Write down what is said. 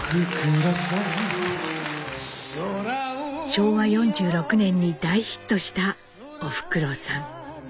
昭和４６年に大ヒットした「おふくろさん」。